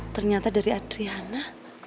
ternyata dari adriana